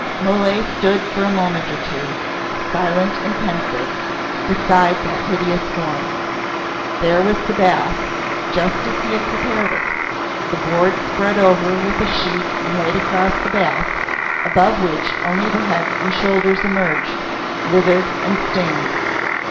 Mole stood for a moment or two, silent and pensive, beside that hideous form. There was the bath, just as he had prepared it: the board spread over with a sheet and laid across the bath, above which only the head and shoulders emerged, livid and stained.